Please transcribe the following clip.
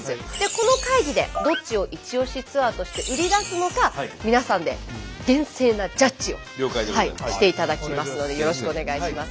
この会議でどっちをイチオシツアーとして売り出すのか皆さんで厳正なジャッジをしていただきますのでよろしくお願いします。